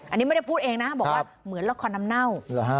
อันนี้ไม่ได้พูดเองนะบอกว่าเหมือนละครน้ำเน่า